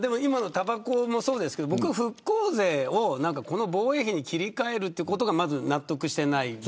たばこもそうですけど復興税を防衛費に切り替えることがまず納得していなくて。